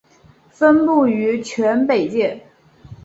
分布于全北界。